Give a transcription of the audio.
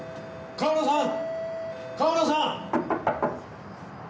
川村さん！